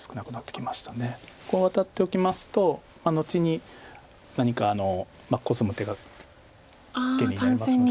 ワタっておきますと後に何かコスむ手が受けになりますので。